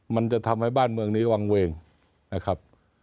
มันจะทำให้บ้านเมืองนี้วางเวงนะครับ